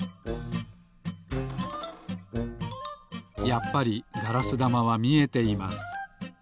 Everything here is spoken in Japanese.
やっぱりガラスだまはみえています。